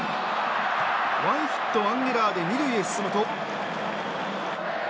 ワンヒットワンエラーで２塁に進むと。